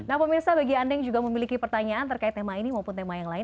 nah pemirsa bagi anda yang juga memiliki pertanyaan terkait tema ini maupun tema yang lain